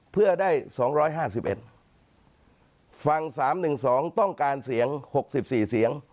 เพื่อได้๒๕๑ฟัง๓๑๒ต้องการเสียง๖๔เสียง